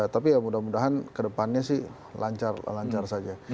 tapi ya mudah mudahan kedepannya sih lancar lancar saja